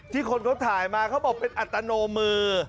คนเขาถ่ายมาเขาบอกเป็นอัตโนมือ